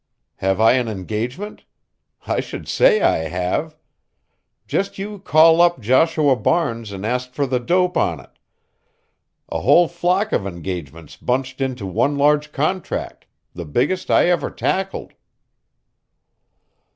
Have I an engagement? I should say I have. Just you call up Joshua Barnes and ask for the dope on it a whole flock of engagements bunched into one large contract, the biggest I ever tackled.